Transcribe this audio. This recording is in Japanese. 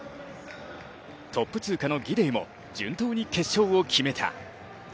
トップ通過のギデイも順当に決勝を決めた。